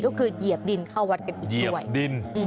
ก็คือหยีบดินเข้าวัดกันอีกด้วยอ่าครับปกติ